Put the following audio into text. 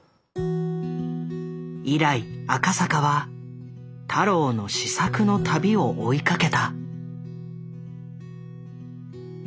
以来赤坂は太郎の思索の旅を追いかけた。